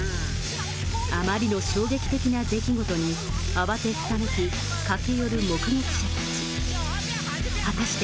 あまりの衝撃的な出来事に、慌てふためき、駆け寄る目撃者たち。